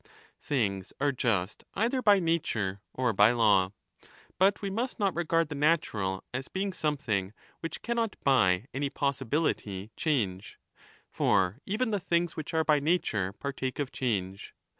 30 Things are just either by nature or by law. But we must not regard the natural as being something which cannot by any possibility change ; for even the things which are by nature partake of change.